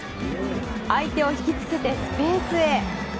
相手を引き付けてスペースへ。